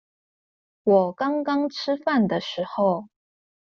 我剛剛吃飯的時候